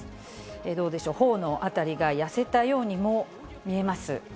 どうでしょう、ほおのあたりが痩せたようにも見えます。